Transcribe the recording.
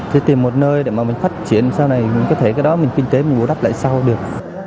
thì tìm một nơi để mà mình phát triển sau này mình có thể cái đó mình kinh tế mình bù đắp lại sau được